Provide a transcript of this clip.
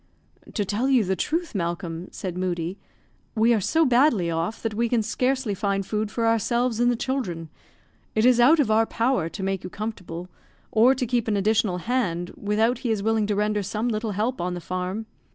"To tell you the truth, Malcolm," said Moodie, "we are so badly off that we can scarcely find food for ourselves and the children. It is out of our power to make you comfortable, or to keep an additional hand, without he is willing to render some little help on the farm.